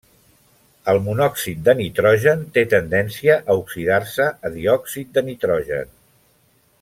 El monòxid de nitrogen té tendència a oxidar-se a diòxid de nitrogen.